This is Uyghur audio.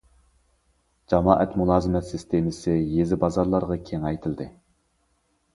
جامائەت مۇلازىمەت سىستېمىسى يېزا- بازارلارغا كېڭەيتىلدى.